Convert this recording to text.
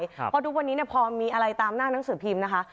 เพราะทุกวันนี้พอมีอะไรตามหน้าหนังสือพิมพ์นะคะ